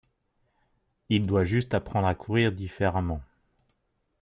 Il doit juste apprendre à courir différemment.